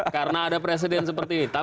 karena ada presiden seperti ini